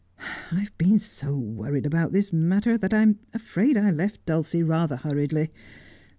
I have been so worried about this matter that I'm afraid I left Dulcie rather hurriedly.